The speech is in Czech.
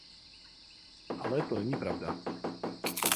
Ale to není pravda.